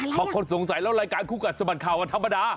พอคนสงสัยแล้วรายการคู่กัดสะบัดข่าววันธรรมดา